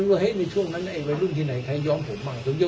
และมันเข้ามาเลยในช่วงนั้นไอไปรุ่นที่ไหนคนของของมังเท่าใช่เหรอ